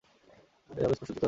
এ আমি স্পষ্ট দেখতে পাচ্ছি।